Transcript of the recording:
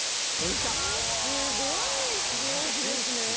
すごい名字ですね。